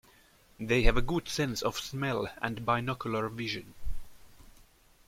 They have a good sense of smell and binocular vision.